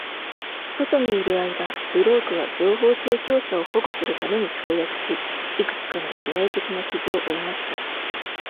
外にいる間、ブロークは情報提供者を保護するために跳躍し、いくつかの致命的な傷を負いました。